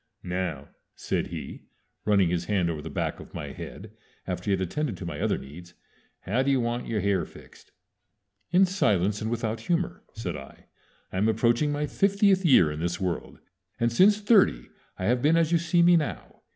"Now," said he, running his hand over the back of my head after he had attended to my other needs, "how do you want your hair fixed?" "In silence, and without humor," said I. "I am approaching my fiftieth year in this world, and since thirty I have been as you see me now.